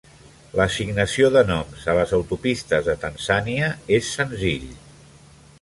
L'assignació de noms a les autopistes de Tanzània és senzill.